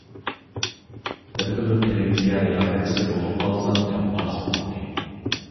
بىردىنلا تېلېۋىزىيە رىياسەتچىسى بولۇپ قالسام دەپ ئارزۇ قىلدى.